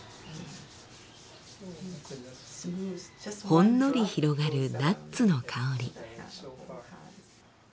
ほんのり広がるナッツの香り。